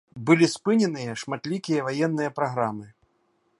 Былі спыненыя шматлікія ваенныя праграмы.